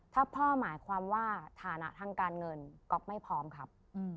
ถ้าพ่อหมายความว่าฐานะทางการเงินก๊อฟไม่พร้อมครับ